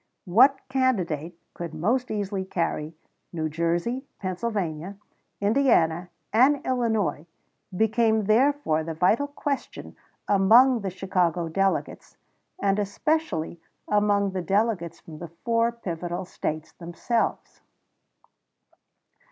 What candidate could most easily carry New Jersey, Pennsylvania, Indiana, and Illinois, became therefore the vital question among the Chicago delegates, and especially among the delegates from the four pivotal States themselves.